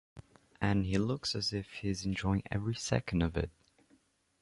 And he looks as if he's enjoying every second of it.